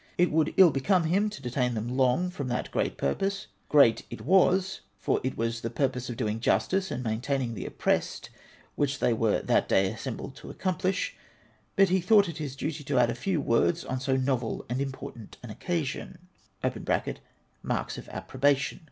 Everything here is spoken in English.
It would ill become him to detain them long from that great purpose — great it was, for it was the purpose of doing justice and maintaining the oppressed which they were that day assembled to accomplish, but he thought it his duty to add a few words on so novel and important an occa sion {marks of approbation).